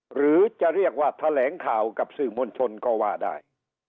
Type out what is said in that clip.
หรือจะเรียกว่าแถลงข่าวกับสื่อมวลชนก็ว่าได้